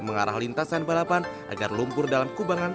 mengarah lintasan balapan agar lumpur dalam kubangan